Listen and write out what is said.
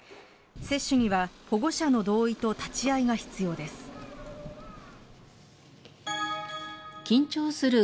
接種には保護者の同意と立ち会いが必要です。